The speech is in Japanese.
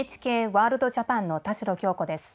「ＮＨＫワールドＪＡＰＡＮ」の田代杏子です。